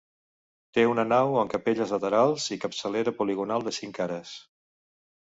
Té una nau amb capelles laterals i capçalera poligonal de cinc cares.